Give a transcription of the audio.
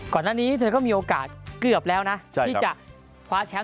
ก่อนหน้านี้เธอก็มีโอกาสเกือบแล้วนะที่จะคว้าแชมป